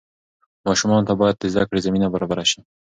ماشومانو ته باید د زده کړې زمینه برابره سي.